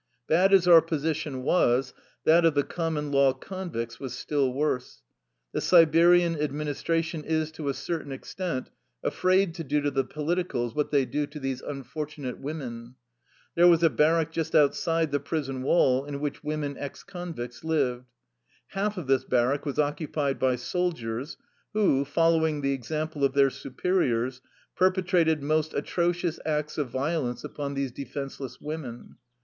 Bad as our position was, that of the common law convicts was still worse. The Siberian ad ministration is to a certain extent afraid to do to the politicals what they do to these unfortu nate women. There was a barrack just out side the prison wall in which women ex convicts lived. Half of this barrack was occupied by soldiers, who, following the example of their su periors, perpetrated most atrocious acts of vio lence upon these defenseless women.